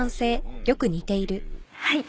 はい！